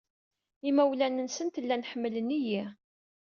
Imawlan-nsent llan ḥemmlen-iyi.